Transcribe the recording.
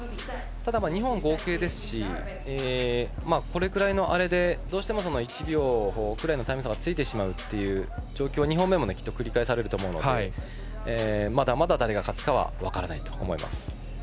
ただ、２本の合計ですしこれくらいで１秒遅れのタイムがついてしまうという状況は２本目もきっと繰り返されると思うのでまだまだ誰が勝つかは分からないと思います。